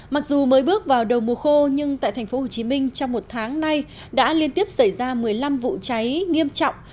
mặc dù mới bước vào đầu mùa khô nhưng tại tp hcm trong một tháng nay đã liên tiếp xảy ra một mươi năm vụ cháy nghiêm trọng